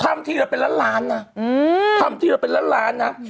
ทำที่เราเป็นล้านล้านน่ะอืมทำที่เราเป็นล้านล้านน่ะอืม